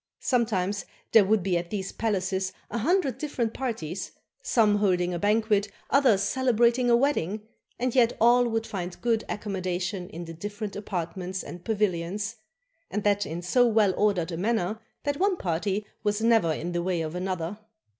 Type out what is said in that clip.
Sometimes there would be at these palaces a hundred different parties; some holding a banquet, others celebrating a wedding; and yet all would find good accommodation in the dif ferent apartments and pavilions, and that in so well ordered a manner that one party was never in the way of another.